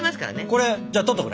これじゃあ取っとくね。